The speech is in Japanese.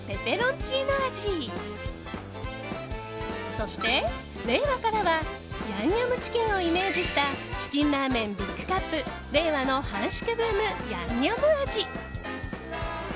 そして、令和からはヤンニョムチキンをイメージしたチキンラーメンビッグカップ令和の韓食ブームヤンニョム味。